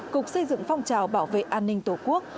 cục xây dựng phong trào bảo vệ an ninh tổ quốc